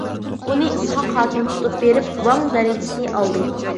بۇنى ئىسھاق ھاكىم تۇتۇپ بېرىپ، ۋاڭ دەرىجىسىنى ئالدى.